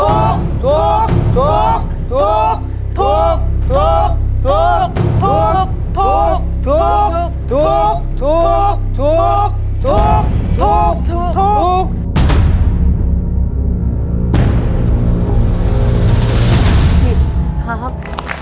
อัศจิตครับ